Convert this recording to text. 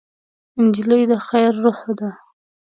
نجلۍ د خیر روح ده.